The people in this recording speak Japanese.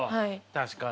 確かに。